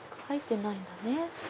入ってないんだね。